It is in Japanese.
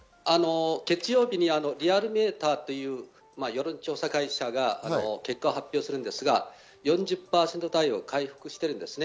月曜日にリアルメーターという世論調査会社が結果を発表するんですが、４０％台を回復しています。